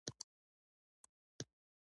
غوماشې ژر تولید ته رسېږي.